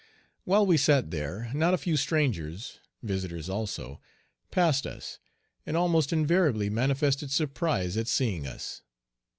While we sat there not a few strangers, visitors also, passed us, and almost invariably manifested surprise at seeing us.